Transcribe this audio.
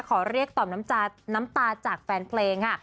ขอเรียกต่อมน้ำตาจากแฟนเพลงค่ะ